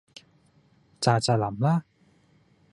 咋咋淋啦